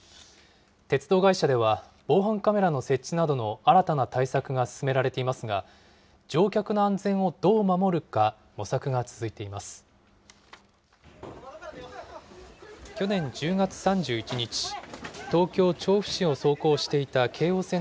鉄道会社では、防犯カメラの設置などの新たな対策が進められていますが、乗客の安全をどう守るか、模索が続いています。